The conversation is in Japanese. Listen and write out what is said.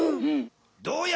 どうや。